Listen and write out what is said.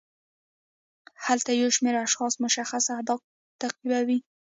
هلته یو شمیر اشخاص مشخص اهداف تعقیبوي.